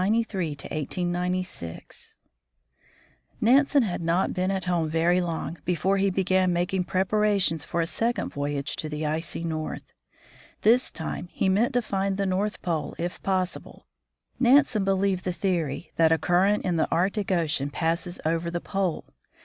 XVII. THE VOYAGE OF THE FRAM i 893 1 896 Nansen had not been at home very long before he began making preparations for a second voyage to the icy North. This time he meant to find the North Pole if possible. Nansen believed the theory that a current in the Arctic ocean passes over the pole.